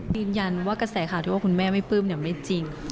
ยืนยันว่ากระแสข่าวที่ว่าคุณแม่ไม่ปลื้มไม่จริง